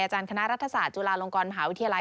อาจารคณะรัฐศาสตร์จุฬาลงกรมหาวิทยาลัย